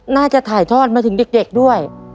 น่าจะถ่ายทอดมาถึงเด็กด้วย